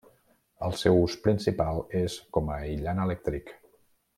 El seu ús principal és com a aïllant elèctric.